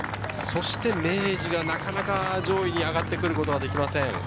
そして明治がなかなか上位に上がってくることができません。